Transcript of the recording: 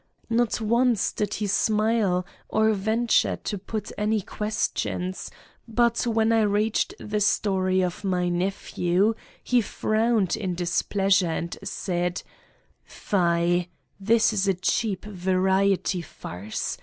Not once did he smile or venture to put any questions, but when I reached the story of my "nephew" he frowned in displeasure and said: 4 * Fie ! This is a cheap variety farce